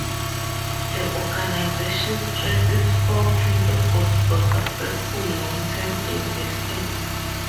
The organization stresses four principles for successful, long-term investing.